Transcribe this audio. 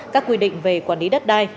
các quy định về quản lý đất đai